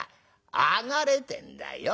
上がれってんだよ。